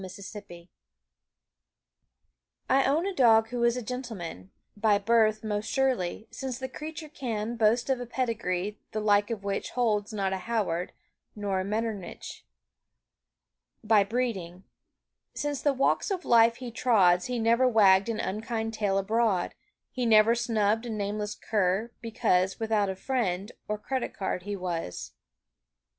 MY GENTLEMAN I own a dog who is a gentleman; By birth most surely, since the creature can Boast of a pedigree the like of which Holds not a Howard nor a Metternich. By breeding. Since the walks of life he trod He never wagged an unkind tale abroad, He never snubbed a nameless cur because Without a friend or credit card he was.